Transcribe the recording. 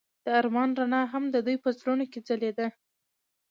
د آرمان رڼا هم د دوی په زړونو کې ځلېده.